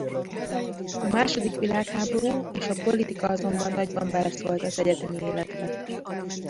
A második világháború és a politika azonban nagyban beleszólt az egyetemi életbe.